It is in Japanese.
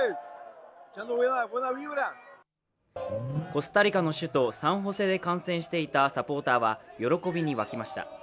コスタリカの首都サンホセで観戦していたサポーターは喜びに沸きました。